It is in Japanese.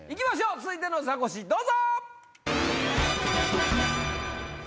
続いてのザコシどうぞ！